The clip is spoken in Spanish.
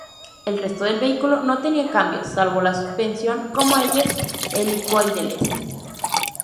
El resto del vehículo no tenía cambios, salvo la suspensión con muelles helicoidales.